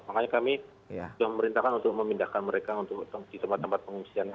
makanya kami sudah memerintahkan untuk memindahkan mereka untuk di tempat tempat pengungsian